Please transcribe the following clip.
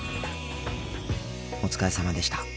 お疲れさまでした。